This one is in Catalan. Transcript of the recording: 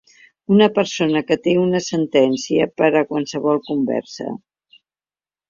Una persona que té una sentència per a qualsevol conversa.